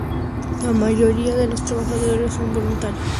La mayoría de los trabajadores son voluntarios.